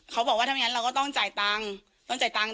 เขาบอกว่าถ้าไม่งั้นเราก็ต้องจ่ายตังค์ต้องจ่ายตังค์